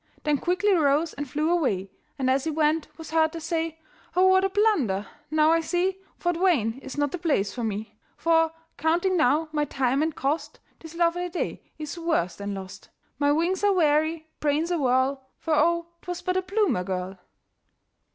Then quickly rose and flew away, And as he went was heard to say: "Oh, what a blunder! Now I see Fort Wayne is not the place for me; "For, counting now my time and cost, This lovely day is worse than lost. My wings are weary, brain's awhirl, For, oh, 'twas but a Bloomer Girl!"